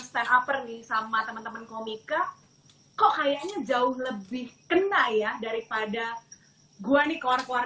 stand upernya sama teman teman komika kok kayaknya jauh lebih kena ya daripada gua nih keluar keluar